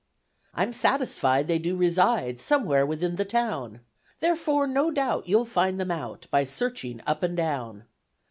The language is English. I'm satisfied they do reside Somewhere within the town: Therefore, no doubt, you'll find them out, By searching up and down.